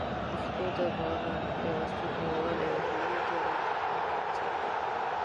پښتو د افغانانو د پیوستون، یووالي، او هویت یو ارزښتناک عنصر دی.